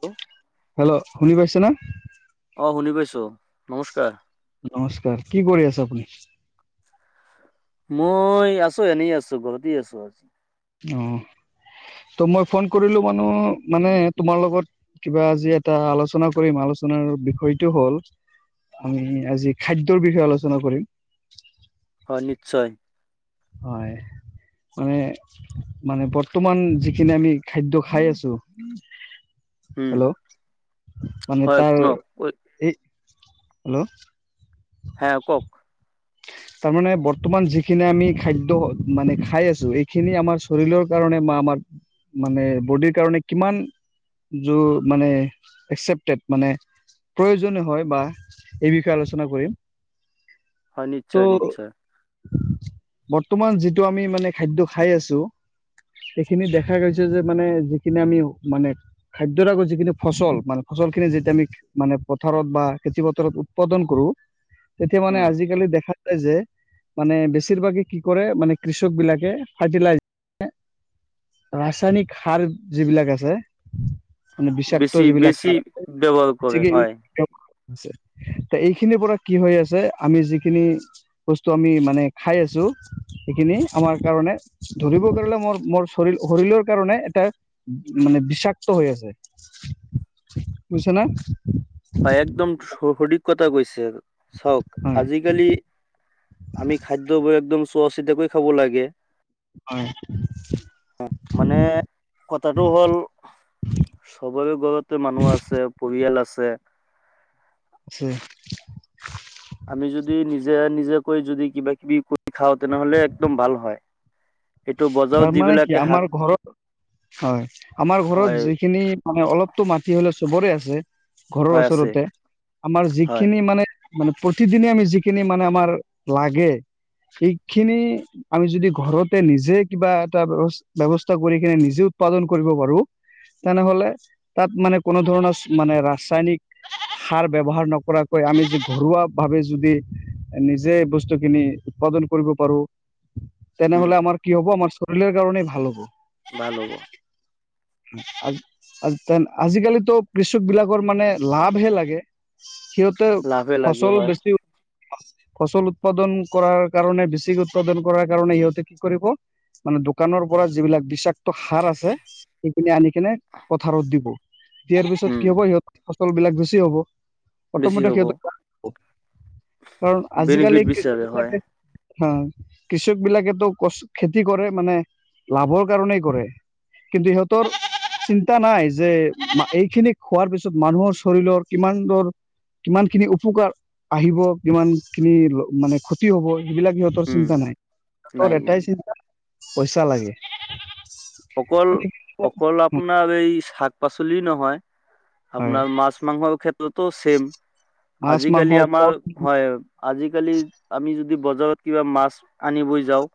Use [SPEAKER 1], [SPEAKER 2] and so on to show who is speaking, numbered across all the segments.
[SPEAKER 1] তো
[SPEAKER 2] হেল্ল' শুনি পাইছানে?
[SPEAKER 1] শুনি পাইছো নমস্কাৰ
[SPEAKER 2] নমস্কাৰ। কি কৰি আছে আপুনি? [inaudible]
[SPEAKER 1] মই আছোঁ, এনেই আছোঁ, ঘৰতে আছোঁ আজি।
[SPEAKER 2] অহ'। তোৰ মই ফোন কৰিলোঁ মানো মানে তোমাৰ লগত কিবা আজি এটা আলোচনা কৰিম, আলোচনা আলোচনাৰ বিষয়টো হ'ল, আমি আজি খাদ্যৰ বিষয়ে আলোচনা কৰিম।
[SPEAKER 1] হয়, নিশ্চয়।
[SPEAKER 2] হয়। মানে মানে বৰ্তমান যিখিনি আমি খাদ্য খাই আছোঁ।
[SPEAKER 1] উম
[SPEAKER 2] হেল্ল' মানে
[SPEAKER 1] হয়
[SPEAKER 2] তাৰ
[SPEAKER 1] শুনক
[SPEAKER 2] এই হেল্ল'
[SPEAKER 1] হে, কওঁক।
[SPEAKER 2] তাৰমানে, বৰ্তমান যিখিনি আমি খাদ্য, মানে খাই আছোঁ, এইখিনি আমাৰ শৰীৰৰ কাৰণে বা আমাৰ মানে বডিৰ কাৰণে কিমান যো, মানে একচেপটেড মানে প্ৰয়োজন হয়, বা এই বিষয়ে আলোচনা কৰিম।
[SPEAKER 1] হয়,
[SPEAKER 2] ত'
[SPEAKER 1] নিশ্চয়, নিশ্চয়।
[SPEAKER 2] বৰ্তমান, যিটো আমি মানে খাদ্য খাই আছোঁ। সেইখিনি দেখা গৈছে যে, মানে যিখিনি আমি, মানে, খাদ্যৰ আগত যিখিনি ফচল [unintelligible] ফচলখিনি যেতিয়া আমি মানে পথাৰত বা খেতি পথাৰত উৎপাদন কৰোঁ। তেতিয়া মানে
[SPEAKER 1] উম
[SPEAKER 2] আজিকালি দে যে, মানে, বেছিভাগে কি কৰে, মানে কৃষকবিলাকে ফাৰ্টিলাই [inaudible] ৰাচায়নিক খাৰ যিবিলাক আছে। মানে বিষাক্ত
[SPEAKER 1] বেছি
[SPEAKER 2] যিবিলাক [inaudible]
[SPEAKER 1] বেছি ব্যৱহাৰ কৰে হয়
[SPEAKER 2] ত' এইখিনিৰ পৰা কিহৈ আছে, আমি যিখিনি বস্তু আমি মানে খাই আছোঁ, সেইখিনি আমাৰ কাৰণে ধৰিব গ'লে মোৰ, মোৰ চৰীৰ-শৰীৰৰ কাৰণে এটা মানে বিষাক্ত হৈ আছে। বুইছানে?
[SPEAKER 1] হয়, একদম [unintelligible] কথা কৈছে। চাওঁক,
[SPEAKER 2] হয়
[SPEAKER 1] আজিকালি আমি খাদ্যবোৰ একদম চোৱা চিতাকৈ খাব লাগে।
[SPEAKER 2] হয়।
[SPEAKER 1] মানে কথাটো হ'ল সবৰে ঘৰতে মানুহ আছে পৰিয়াল আছে।
[SPEAKER 2] [unintelligible]
[SPEAKER 1] নিজোকৈ যদি কিবা কিবি কৰি খাওঁ তেনেহলে একদম ভাল হয়। সেইটো বজাৰত
[SPEAKER 2] তাৰ মানে কি
[SPEAKER 1] যিবিলাকে শাক
[SPEAKER 2] আমাৰ ঘৰৰ হয় আমাৰ ঘৰত
[SPEAKER 1] হয়
[SPEAKER 2] যিখিনি মানে অলপতো মাটি হলে চবৰে আছে। ঘৰৰ
[SPEAKER 1] হয় আছে
[SPEAKER 2] ওচৰতে আমাৰ
[SPEAKER 1] হয়
[SPEAKER 2] যিখিনি মানে মানে প্ৰতিদিনে আমি যিখিনি মানে আমাৰ লাগে। সেইখিনি আমি যদি ঘৰত নিজে কিবা এটা ব্যয়ৱস্থা কৰি কিনে নিজে উৎপাদন কৰিব পাৰো। তেনেহলে তাত মানে কোনো ধৰণৰ মানে ৰাসায়নিক সাৰ ব্যৱহাৰ নকৰাকৈ আমি য ঘৰুৱা ভাৱে যদি নিজে বস্তুখিনি উৎপাদন। কৰিব পাৰো
[SPEAKER 1] উম
[SPEAKER 2] তেনেহলে আমাৰ কি হ'ব আমাৰ শৰীৰৰ কাৰণেই ভাল হ'ব।
[SPEAKER 1] ভাল হ'ব।
[SPEAKER 2] আৰু- আজিকালিতো কৃষক বিলাকৰ মানে লাভহে লাগে। সিহঁতে
[SPEAKER 1] লাভে লাগে
[SPEAKER 2] ফচল
[SPEAKER 1] হয়
[SPEAKER 2] বেছি ফচল উৎপাদন কৰাৰ কাৰণে বেছিক উৎপাদন কৰাৰ কাৰণে ইহঁতে কি কৰিব মানে দোকানৰ পৰা যিবিলাক বিষাক্ত সাৰ আছে। পি আনি কেনে পথাৰত দিব দিয়াৰ পিছত
[SPEAKER 1] উম
[SPEAKER 2] কি হব সিহঁত ফচল বিলাক বেছি হব।
[SPEAKER 1] বেছি
[SPEAKER 2] অটমতে
[SPEAKER 1] হ'ব
[SPEAKER 2] সিহত কাৰণ আজিকালি
[SPEAKER 1] বেনিফিট
[SPEAKER 2] কৃষ
[SPEAKER 1] বিচাৰে হয়
[SPEAKER 2] বিলাকে হা কৃষক বিলাকেতো ক খেতি কৰে মানে লাভৰ কাৰনেেই কৰে। কিন্তু সিহঁতৰ চিন্তা নাই যে এইখিনি খোৱাৰ পিছত মানুহৰ শৰীৰৰ কিমান দৰ কিমান খিনি উপকাৰ আহিব কিমান খিনি মানে ক্ষতি হব। যিবিলাক সিহঁতৰ
[SPEAKER 1] উম
[SPEAKER 2] চিন্তা নাই
[SPEAKER 1] নাই
[SPEAKER 2] সিহঁতৰ
[SPEAKER 1] নাই
[SPEAKER 2] এটাই চিন্তা পইচা লাগে।
[SPEAKER 1] অকল অকল আপোনাৰ এই শাক পাচলি নহয়।
[SPEAKER 2] হয়
[SPEAKER 1] আপোনাৰ মাছ মাংসৰ ক্ষেত্ৰতো ছেম।
[SPEAKER 2] মাছ মাংস
[SPEAKER 1] আজিকালি
[SPEAKER 2] ফল
[SPEAKER 1] আমাৰ, হয়। আজিকালি আমি যদি বজাৰত কিবা মাছ আনিব যাও।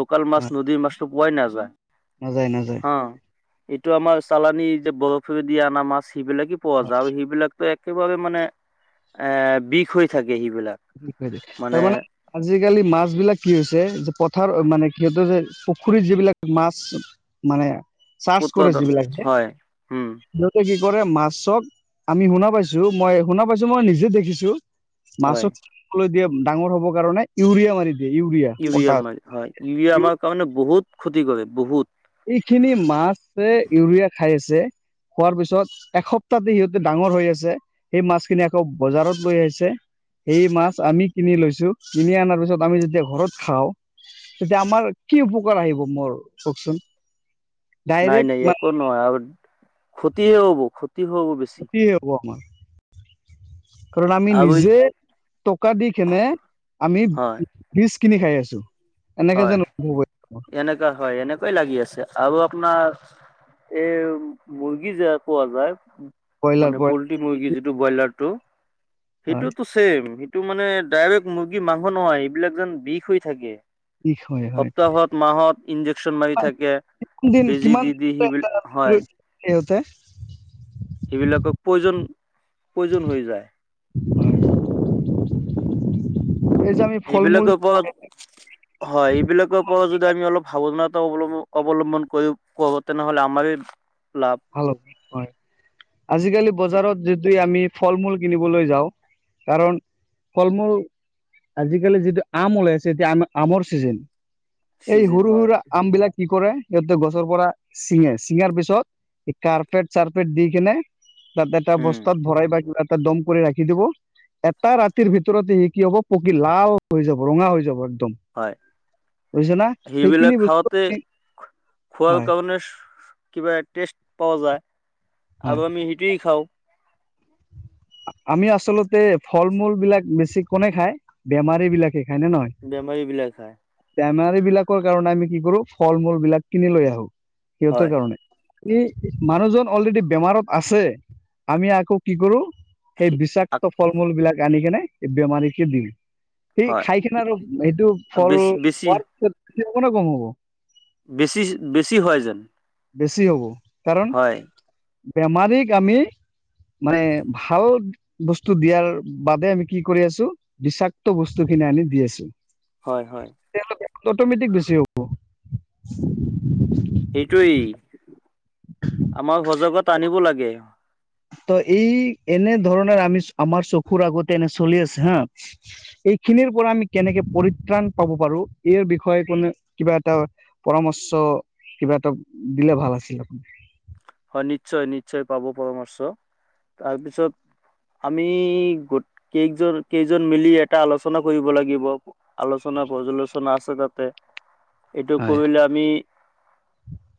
[SPEAKER 1] লোকেল মাছ
[SPEAKER 2] হয়
[SPEAKER 1] নদীৰ মাছতটো পোৱাই নাই।
[SPEAKER 2] নাযায় নাযায়।
[SPEAKER 1] এইটো আমাৰ চালানি যে বৰফেৰে দিিয় অনা মাছ সেইবিলাকে পোৱা যায় আৰু সেইবিলাক ত একেবাবে মানে আ বিষ হৈ থাকে। সেইবিলাক
[SPEAKER 2] তাৰ মানে আজিকালি মাছ বিলাক কি হৈছে যে পথাৰ মানে সিহঁতৰ পুখুৰীত যিবিলাক মাছ মানে চাৰ্চ কৰে
[SPEAKER 1] উৎপাদন
[SPEAKER 2] যিবিলাকতে
[SPEAKER 1] হয় উম
[SPEAKER 2] সিহঁতে সেই কৰে মাছক আমি শুনা পাইছো মই শুনা পাইছো মই নিজে দেখিছো
[SPEAKER 1] হয়
[SPEAKER 2] মাছক দিয়ে ডাঙৰ হব কাৰণে ইউৰিয়া মাৰি দ
[SPEAKER 1] ইউৰিয়া মাৰ হয় ইউৰিয়া আমাৰ কাৰণে বহুত ক্ষতি কৰে বহুত।
[SPEAKER 2] এইখিনি মাছে ইউৰিয়া খাই আছে। হোৱাৰ পিছত এসপ্তাহতে সিহঁতে ডাঙৰ হৈ আছে সেই মাছখিনি আকৌ বজাৰত লৈ আহিছে। সেই মাছ আমি কিনি লৈছো কিনি আাৰ পিছত আমি যেতিয়া ঘৰত খাওঁ। তেতিয়া আমাৰ কি উপকাৰ আহিব মোৰ কওকচোন।
[SPEAKER 1] নাই
[SPEAKER 2] ডাইৰেক্ট
[SPEAKER 1] নাই
[SPEAKER 2] মানে
[SPEAKER 1] ইয়াকো নহয় আৰু। ক্ষতিয়ে হ'ব। হ'ব বেছি
[SPEAKER 2] ক্ষতি হ'ব আমাৰ। কাৰণ আমি
[SPEAKER 1] আৰু
[SPEAKER 2] নিজে টকা দি কেনে আমি
[SPEAKER 1] হয়
[SPEAKER 2] বি কিনি খাই আছো। এনেকে
[SPEAKER 1] হয়,
[SPEAKER 2] যেন অনুভৱ হয় মোৰ।
[SPEAKER 1] এনেকুৱা হয়, এনেকুৱাই লাগি আছে। আৰু আপোনাৰ এই মুৰ্গী যে কোৱা যায়।
[SPEAKER 2] ব্ৰইলাৰ
[SPEAKER 1] মানে
[SPEAKER 2] ব্ৰইলাৰ
[SPEAKER 1] পলট্ৰি মুৰ্গী যিটো ব্ৰইলাৰ টো
[SPEAKER 2] হয়
[SPEAKER 1] সেইটোতো ছেম। টো মানে ডাইৰেক্ট মুৰ্গী মাংস নহয় এইবিলাক যেন বিষ হৈ থাকে
[SPEAKER 2] বিষ হয় হয়
[SPEAKER 1] সপ্তাহত মাহত ইঞ্জেকশ্যন মাৰি থাকে।
[SPEAKER 2] কোনদিন
[SPEAKER 1] বেজি
[SPEAKER 2] কিমান
[SPEAKER 1] দি দি
[SPEAKER 2] দিন
[SPEAKER 1] সিবিলাক হয়।
[SPEAKER 2] সিহঁতে
[SPEAKER 1] সেইবিলাকক প্ৰয়োজন প্ৰয়োজন হৈ যায়।
[SPEAKER 2] [unintelligible] আমি ফল মূল
[SPEAKER 1] এইবিলাকৰ ওপৰত হয়, এইবিলাকৰ ৰত যদি আমি অলপ সাৱধানতা অৱম্ব অৱলম্বন কৰি কৰো তেনেহ'লে আমাৰ
[SPEAKER 2] ভাল হয় আজিকালি বজাৰত যদি আমি ফল মূল কিনিবলৈ যাওঁ কাৰণ ফল মূল আজিকালি যিটো আম ওলাই আছে এতিয়া আম আমৰ ছিজন এই
[SPEAKER 1] চিজন
[SPEAKER 2] সৰু
[SPEAKER 1] হয়
[SPEAKER 2] সুৰাৰ আম বিলাক কি কৰে, সিহঁতে গছৰ পৰা চিঙে ছিঙাৰ পিছত এই কাৰ্পেট চাৰপেট দি কিনে তাতে এটা
[SPEAKER 1] উম
[SPEAKER 2] বস্তাত ভৰাই বা কিবা ত' দ'ম কৰি ৰাখি দিব। এটা ৰাতিৰ ভিতৰত সি কি হ'ব পকি লাল হৈ যাব, ৰঙা হৈ যাব।
[SPEAKER 1] হয়
[SPEAKER 2] বুজিছ না
[SPEAKER 1] সেইবিলাক
[SPEAKER 2] সেইখিনি
[SPEAKER 1] খাওঁতে
[SPEAKER 2] বস্তু।
[SPEAKER 1] খোৱাৰ
[SPEAKER 2] হয়
[SPEAKER 1] কাৰণে কিবা টেষ্ট পোৱা যায়
[SPEAKER 2] হয়
[SPEAKER 1] আৰু আমি সেইটোৱেই খাওঁ।
[SPEAKER 2] আমি আচলতে ফল মূল বিলাক বেছি কোনে খাই বেমাৰী বিলাকে। খায় নে নহয়
[SPEAKER 1] বেমাৰী বিলাক হয়
[SPEAKER 2] বেমাৰী বিলাকৰ কাৰণে আমি কি কৰো ফল মূল বিলাক কিনি লৈ আহো সিহঁতৰ
[SPEAKER 1] হয়
[SPEAKER 2] কাৰণে। ই মানুহজন অলৰেডি বেমাৰত আছে আমি আকৌ কি কৰোঁ সেই বিষাক্ত ফল মূল বিলাক আনি কেনে এই বেমাৰীকে দিম। সেই
[SPEAKER 1] হয়
[SPEAKER 2] খাই কিনে আৰু সেইটো ফল
[SPEAKER 1] বেছি বেছি
[SPEAKER 2] হোৱাৰ পিছতে [unintelligible] কম হ'ব
[SPEAKER 1] বেছি বেছি হয় যেন
[SPEAKER 2] বেছি হ'ব। কাৰণ
[SPEAKER 1] হয়।
[SPEAKER 2] বেমাৰীক আমি মানে ভাল বস্তু দিয়াৰ বাবে আমি কি কৰি আছো বিষাক্ত বস্তু কিনে আনি দি আছো।
[SPEAKER 1] হয় হয়।
[SPEAKER 2] তেওঁলোকে অটমেটিক বেছি হ'ব।
[SPEAKER 1] সেই আমাৰ সজগত আনিব লাগে।
[SPEAKER 2] ত এই এনে ধৰণৰ আমি আমাৰ চকুৰ আগতে এনে চলি আছে হা। এইখিনিৰ পৰা আমি কেনেকে পৰিত্ৰাণ পাব পাৰো ইাৰ বিষয়ে কোনো কিবা এটা পৰামৰ্শ কিবা এটা দিলে ভাল আছিল আপোনাৰ।
[SPEAKER 1] হয় নিশ্চয় নিশ্চয় পাব পৰামৰ্শ তাৰপিছত আমি গ কেইজন কেইজন মিলি এটা আলোচনা কৰিব লাগিব আলোচনা। পৰ্যালোচনা আছে তাতে।
[SPEAKER 2] [unintelligible]
[SPEAKER 1] এইটো কৰিলে আমি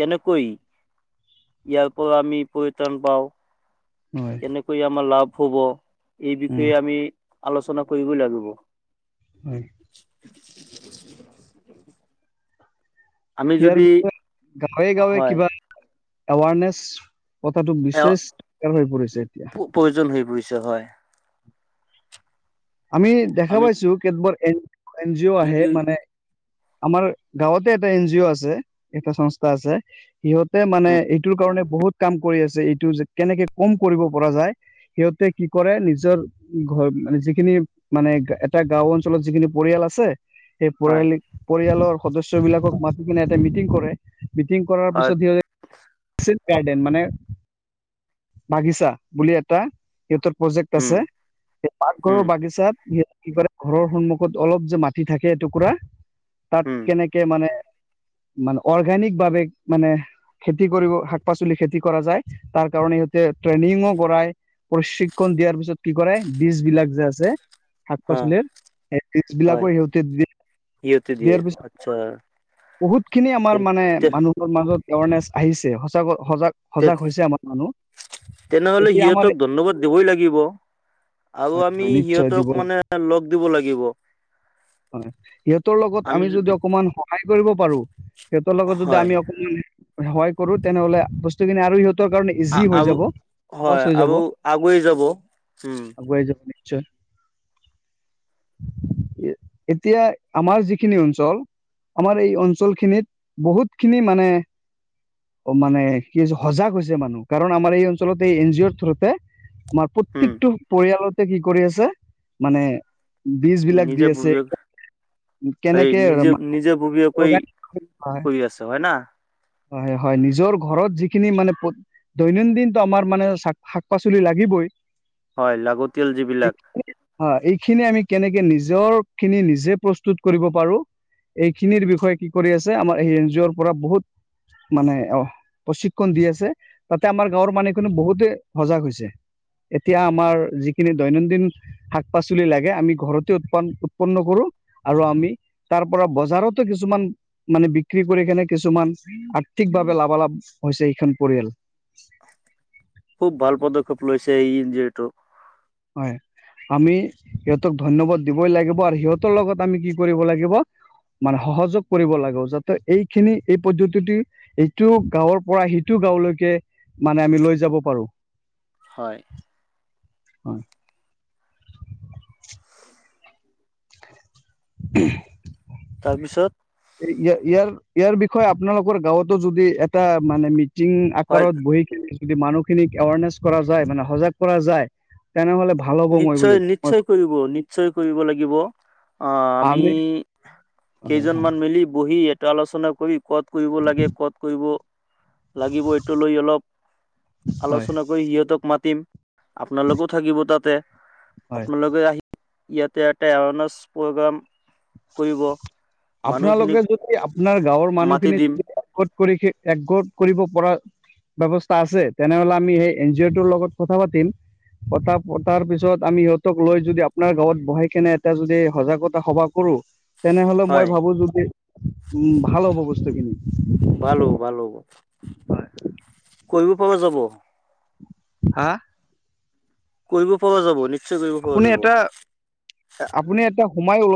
[SPEAKER 1] কেনেকৈ ইয়াৰ পৰা আমি পৰিত্ৰাণ পাওঁ।
[SPEAKER 2] হয়
[SPEAKER 1] কেনেকৈ আমাৰ লাভ হ'ব এই
[SPEAKER 2] উম
[SPEAKER 1] বিষয়ে আমি আলোচনা কৰিবই লাগিব।
[SPEAKER 2] হয়।
[SPEAKER 1] আমি
[SPEAKER 2] ইয়াৰ
[SPEAKER 1] যদি
[SPEAKER 2] পছয় গাঁৱে গাঁৱে
[SPEAKER 1] হয়
[SPEAKER 2] কিবা [inaudible] এৱাৰনেছ কথাটো
[SPEAKER 1] এ
[SPEAKER 2] বিশেষ দৰকাৰ হৈ পৰিছে এতিয়া।
[SPEAKER 1] বুইছ হয়।
[SPEAKER 2] আমি দেখা
[SPEAKER 1] আমি
[SPEAKER 2] পাইছোঁ, কেতবোৰ এ-এন জিঅ' আহে
[SPEAKER 1] যদি
[SPEAKER 2] মানে আমাৰ গাঁৱতে এটা এন জিঅ' আছে, এটা সংস্থা আছে সিহঁতে মানে
[SPEAKER 1] উম,
[SPEAKER 2] এইটো কাৰণে বহুত কাম কৰি আছে এইটো যে কেনেকে কম কৰিব পৰা যায়। সিহঁতে কি কৰে নিজৰ ঘৰ মানে যি সিখিনি মানে এটা গাওঁ অঞ্চলত যিখিনি পৰিয়াল আছে সেই
[SPEAKER 1] হয়
[SPEAKER 2] পৰিয়ালিক-পৰিয়ালৰ সদস্যবিলাকক মাতি কিনে এটা মিটিং কৰে, মিটিং কৰাৰ
[SPEAKER 1] হয়
[SPEAKER 2] পিছত সিহঁ গাৰ্ডেন মানে। বাগিচা বুলি এটা সিহঁতৰ প্ৰজেক্ট
[SPEAKER 1] উম,
[SPEAKER 2] আছে, সেই পাকঘৰৰ
[SPEAKER 1] উম,
[SPEAKER 2] বাগিচাত কি কৰে, ঘৰৰ সন্মুখত অলপ যে, মাটি থাকে এটুকুৰা তাত
[SPEAKER 1] উম,
[SPEAKER 2] কেনেকে মানে মানে অৰ্গেনিকভাৱে মানে খেতি কৰিব শাক পাচলি খেতি কৰা যায়, তাৰ কাৰণে সিহঁতে ট্ৰেইনিংয়ো‌ কৰাই। প্ৰশিক্ষণ দিয়াৰ পিছত কি কৰে, বীজ বিলাক যে, আছে শাক
[SPEAKER 1] হা,
[SPEAKER 2] পাচলিৰ, সেই
[SPEAKER 1] হয়
[SPEAKER 2] বীজবিলাকো সিহঁতে দি
[SPEAKER 1] সিহঁতে দিয়ে
[SPEAKER 2] দিয়াৰ
[SPEAKER 1] আচ্ছা
[SPEAKER 2] পিছত বহুতখিনি
[SPEAKER 1] তে
[SPEAKER 2] আমাৰ মানে
[SPEAKER 1] তে
[SPEAKER 2] মানুহৰ মা ত' এৱাৰনেছ আহিছে,
[SPEAKER 1] তে
[SPEAKER 2] সঁচাকৈ-সজাগ-সজাগ হৈছে আমাৰ মানুহ।
[SPEAKER 1] তেনেহ'লে
[SPEAKER 2] এতিয়া আমাৰ
[SPEAKER 1] সিহঁতক ধন্যবাদ দিবই লাগিব। আৰু
[SPEAKER 2] হয়
[SPEAKER 1] আমি
[SPEAKER 2] হয় নিশ্চয় দিব
[SPEAKER 1] সিহঁতক
[SPEAKER 2] লাগে
[SPEAKER 1] মানে লগ দিব লাগিব।
[SPEAKER 2] হয় ইহত তৰ লগত আমি যদি অকমান সহায় কৰিব পাৰোঁ, সিহঁতৰ লগত যদি
[SPEAKER 1] হয়
[SPEAKER 2] আমি অকমান সহায় কৰোঁ, তেনেহলে বস্তু খিনি আৰু সিহঁত তৰ কাৰণে ইজি হৈ
[SPEAKER 1] আৰু
[SPEAKER 2] যাব,
[SPEAKER 1] হয়
[SPEAKER 2] সহজ হৈ যাব,
[SPEAKER 1] আৰু আগুৱাই যাব উম
[SPEAKER 2] আগুৱাই যাব নেক নিশ্চয় এতিয়া আমাৰ যিখিনি অঞ্চল। আমাৰ এই অঞ্চল খিনিত বহুত খিনি মানে, অ' মানে কি হৈছে সজাগ হৈছে মানুহ কাৰণ আমাৰ এই অঞ্চলত এই এন জি অ'ৰ থ্ৰোতে। আমাৰ
[SPEAKER 1] উম
[SPEAKER 2] প্ৰত্যেকটো পৰিয়ালতে কি কৰি আছে? মানে, বীজ বিলাক
[SPEAKER 1] নিজে
[SPEAKER 2] দি আছে।
[SPEAKER 1] বুজক হয়
[SPEAKER 2] কেনেকে
[SPEAKER 1] নিজে নিজে ববীয়াকৈ
[SPEAKER 2] [unintelligible]
[SPEAKER 1] কৰি আছে হয় না
[SPEAKER 2] হয় হয়, নিজৰ ঘৰত যিখিনি মানে দৈনন্দিনটো আমাৰ মানে শাক-পাচলি লাগিবই।
[SPEAKER 1] হয়, লাগতিয়াল যিবিলাক।
[SPEAKER 2] অ', এইখিনি আমি কেনেকে নিজৰ খিনি নিজে প্ৰস্তুত কৰিব পাৰোঁ, এইখিনিৰ বিষয়ে কি কৰি আছে আমাৰ এই এন জি অ'ৰ পৰা বহুত মানে অ', প্ৰশিক্ষণ দি আছে। তাতে আমাৰ গাঁৱৰ মানুহখিনি বহুতে সজাগ হৈছে। এতিয়া আমাৰ যিখিনি দৈনন্দিন শাক-পাচলি লাগে আমি ঘৰতে উৎপ-উৎপন্ন কৰো। আৰু আমি তাৰ পৰা বজাৰতো কিছুমান মানে বিক্ৰী কৰি কিনে কিছুমান আৰ্থিক ভাৱে লাভালাভ হৈছে এইখন পৰিয়াল।
[SPEAKER 1] খুব ভাল পদক্ষেপ লৈছে, এই যিহেতু
[SPEAKER 2] হয়। আমি সিহঁতক ধন্যবাদ দিবই লাগিব, আৰু সিহঁতৰ লগত আমি কি কৰিব লাগিব? মানে সহযোগ কৰিব লাগে যাতে এইখিনি এই পদ্ধতিট এইটো গাঁৱৰ পৰা সিটো গাওঁলৈকে মানে আমি লৈ যাব পাৰোঁ।
[SPEAKER 1] হয়।
[SPEAKER 2] হয়। [unintelligible]
[SPEAKER 1] তাৰপিছত।
[SPEAKER 2] ইয়াৰ ইয়াৰ বিষয়ে আপোনালোকৰ গাঁৱতো যদি এটা মানে মিট টিং
[SPEAKER 1] হয়
[SPEAKER 2] আকাৰত বহি কিনে যদি মানুহখিনিক এৱাৰনেছ কৰা যায় মানে সজাগ কৰা যায়। তেনেহ'লে, ভাল হ'ব মই বুলি মই
[SPEAKER 1] নিশ্চয়-নিশ্চয় কৰিব নিশ্চয় কৰিব লাগিব আহ আমি
[SPEAKER 2] হয় হয়
[SPEAKER 1] কেইজনমান মিলি বহি এটা আলোচনা কৰি ক'ত কৰিব লাগে ক'ত কৰিব লাগিব এইটো লৈ অলপ
[SPEAKER 2] হয়
[SPEAKER 1] আলোচনা কৰি সিহঁতক মাতিম। আপোনালোকও থাকিব তাতে
[SPEAKER 2] হয়
[SPEAKER 1] আপোনালোকে আহি ইতেয়া এটে অনছ প্ৰগ্ৰাম কৰিব মানুহখিনিক
[SPEAKER 2] আপোনালোকে যদি আপোনাৰ গাঁৱৰ
[SPEAKER 1] মাতি
[SPEAKER 2] মানুহখিনি
[SPEAKER 1] দিম
[SPEAKER 2] যদি কৰি একগৰ কৰিব পৰা। ব্যৱস্থা আছে তেনেহলে আমি সেই এন জি অ' ৰ লগত কথা পাতিম। কথা পতাৰ পিছত আমি সিহঁতক লৈ যদি আপোনাৰ গাঁৱত বহাই খনে এটা যদি সজাগতা সভা কৰো তেনেহলে মই
[SPEAKER 1] হয়
[SPEAKER 2] ভাবো যদি উ ভাল হ'ব বস্তুখিনি।
[SPEAKER 1] ভাল হ'ব ভাল হ'ব কৰিব পাব যাব।
[SPEAKER 2] হা?
[SPEAKER 1] কৰিব পৰা যাব নেকি
[SPEAKER 2] আপুনি এটা, আপুনি এটা সোমাইল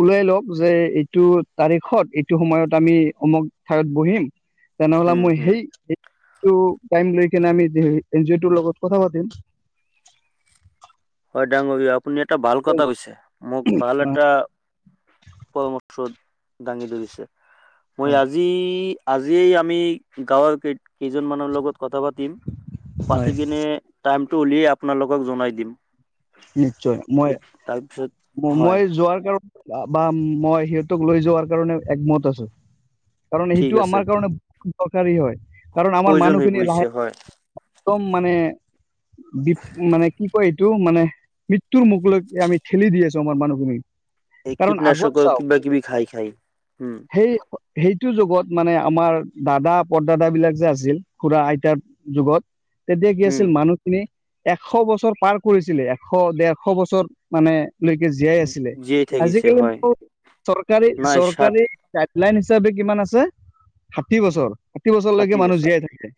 [SPEAKER 2] ওলিয়াই লওক যে এইটো তাৰিখত এইটো সময়ত আমি অমক ঠাইত বহিম। তেনেহলে
[SPEAKER 1] হম
[SPEAKER 2] মই
[SPEAKER 1] হম
[SPEAKER 2] সেইটো টাইম লৈ সেই আমি এন জি অ' ৰ লগত কথা পাতিম।
[SPEAKER 1] ডাঙৰীয়াই আপুনি এটা ভাল কথা কৈছে মোক ভাল এটা, পৰামৰ্শ দাঙি ধৰিছে, মই
[SPEAKER 2] হয়
[SPEAKER 1] আজি আজিয়েই আমি গাঁৱৰ ক কেইজনমানৰ লগত কথা পাতিম
[SPEAKER 2] হয়
[SPEAKER 1] পাতি কিনে টাইমটো উলিয়াই আপোনালোকক জনাই দিম।
[SPEAKER 2] নিশ্চয় মই
[SPEAKER 1] এ তাৰপিছত হয়
[SPEAKER 2] মই যোৱাৰ কাৰ, বা মই সিহঁতক লৈ যোৱাৰ কাৰণে একমত আছো। কাৰণ
[SPEAKER 1] ঠিক
[SPEAKER 2] সেইটো
[SPEAKER 1] আছে।
[SPEAKER 2] আমাৰ কাৰণে বহুত দৰকাৰী হয়, কাৰণ আমাৰ
[SPEAKER 1] প্ৰয়োজন
[SPEAKER 2] মানুহ
[SPEAKER 1] হৈ
[SPEAKER 2] খিনি লাহে
[SPEAKER 1] পৰিছে হয়
[SPEAKER 2] একদম মানে, মানে কি কয় এইটো মানে মৃত্যুৰ মুখলৈকে আমি খেলি দিয আছো আমাৰ মানুহখিনি।
[SPEAKER 1] এই
[SPEAKER 2] কাৰণ আগত
[SPEAKER 1] কীটনাশকৰ
[SPEAKER 2] চাওক
[SPEAKER 1] কিবা কিবি খাই খাই। উম
[SPEAKER 2] সেই, সেই প্ৰতিটো যুগত মানে আমাৰ দাদা, পৰদাদা বিলাক যে আছিল, খুৰা আইতাৰ যুগত। তেতিয়া কি
[SPEAKER 1] উম
[SPEAKER 2] আছিল মানুহখিনি এশ বছৰ পাৰ কৰিছিলে এশ ডৰশ বছৰ মানে। লৈকে জীয়াই আছিলে
[SPEAKER 1] জীয়াই থাকিছে
[SPEAKER 2] আজিকালি
[SPEAKER 1] হয়
[SPEAKER 2] মোৰ চৰকাৰী
[SPEAKER 1] নাই ষাঠ
[SPEAKER 2] চৰকাৰী লাইন হিচাপে কিমান আছে ষাঠি বছৰ ষাঠি বছৰলৈকে মানুহ জীয়াই থাকে।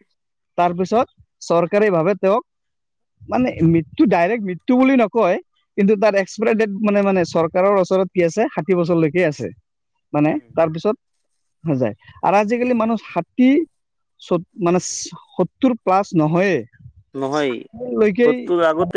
[SPEAKER 2] তাৰপিছত চৰকাৰী ভাবে তেওঁক মানে মৃত্যু ডাইৰেক্ট মৃত্যু বুলি নকয়। কিন্তু তাৰ এক্সপায়াৰ ডেট মানে মানে, চৰকাৰৰ ওচৰত কি আছে, ষাঠি বছৰলৈকে আছে। মানে
[SPEAKER 1] উম
[SPEAKER 2] তাৰপিছত হৈ যায় আৰু আজিকালি মানুহ হাতী ত মানে সত্তৰ প্লাছ
[SPEAKER 1] নহয়
[SPEAKER 2] নহয়ে। লৈকে
[SPEAKER 1] সত্তৰ আগত